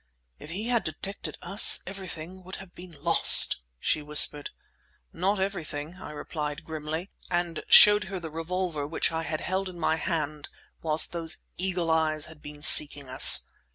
"If he had detected us, everything would have been lost!" she whispered. "Not everything!" I replied grimly—and showed her the revolver which I had held in my hand whilst those eagle eyes had been seeking us.